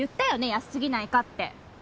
安すぎないかって。